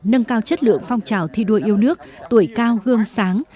nâng cao chất lượng phong trào thi đua yêu nước tuổi cao gương sáng